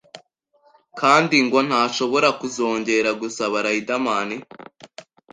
kandi ngo ntashobora kuzongera gusaba Riderman